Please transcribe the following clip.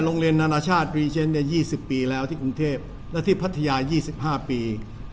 โรงเรียนนานาชาติรีเจนเนี่ยยี่สิบปีแล้วที่กรุงเทพและที่พัทยายี่สิบห้าปี